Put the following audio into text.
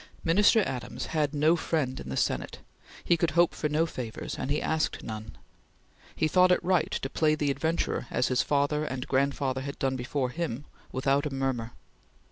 Minister Adams had no friend in the Senate; he could hope for no favors, and he asked none. He thought it right to play the adventurer as his father and grandfather had done before him, without a murmur.